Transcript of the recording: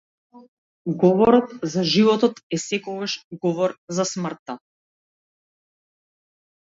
Говорот за животот е секогаш говор за смртта.